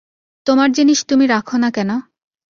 তোমার জিনিস তুমি রাখো-না কেন?